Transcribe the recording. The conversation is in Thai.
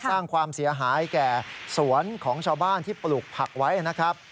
สร้างความเสียหายแก่สวนของชาวบ้านที่ปลูกผักไว้นะครับ